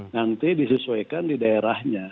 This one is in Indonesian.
nanti disesuaikan di daerahnya